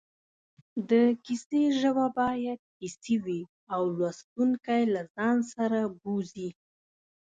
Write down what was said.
د کیسې ژبه باید حسي وي او لوستونکی له ځان سره بوځي